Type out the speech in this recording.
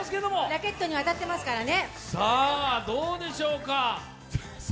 ラケットには当たってますからね。